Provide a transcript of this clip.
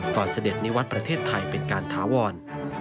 ตอนเสด็จในวัดประเทศไทยเป็นการถาวร